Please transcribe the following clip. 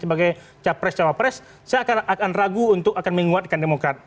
sebagai capres cawapres saya akan ragu untuk akan menguatkan demokrat